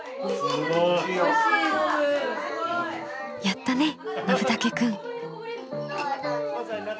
やったねのぶたけくん。